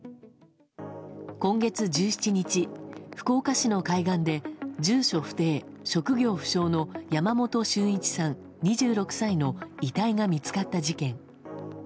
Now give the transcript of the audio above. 今月１７日、福岡市の海岸で住所不定・職業不詳の山本駿一さん、２６歳の遺体が見つかった事件。